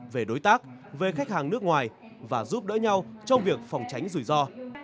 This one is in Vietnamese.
về đối tác về khách hàng nước ngoài và giúp đỡ nhau trong việc phòng tránh rủi ro